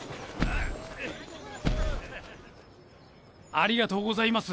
ありがとうございます